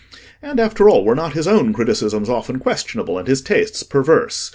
And after all, were not his own criticisms often questionable and his tastes perverse?